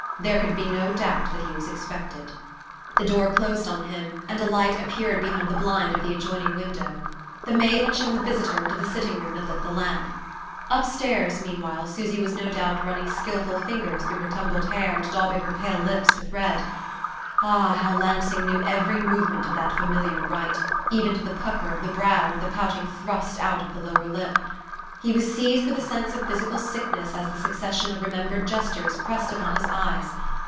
There could be no doubt that he was expected. The door closed on him, and a light appeared behind the blind of the adjoining window. The maid had shown the visitor into the sitting room and lit the lamp. Upstairs, meanwhile, Susy was no doubt running skilful fingers through her tumbled hair and daubing her pale lips with red. Ah, how Lansing knew every movement of that familiar rite, even to the pucker of the brow and the pouting thrust out of the lower lip! He was seized with a sense of physical sickness as the succession of remembered gestures pressed upon his eyes....